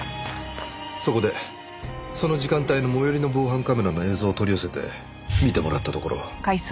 そこでその時間帯の最寄りの防犯カメラの映像を取り寄せて見てもらったところ。